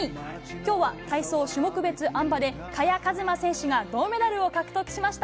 今日は体操種目別あん馬で萱和磨選手が銅メダルを獲得しました。